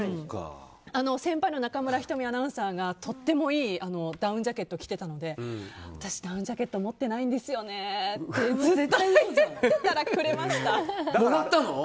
先輩の中村仁美アナウンサーがとてもいいダウンジャケットを着ていたので私、ダウンジャケット持ってないんですよねってずっと言ってたらくれました。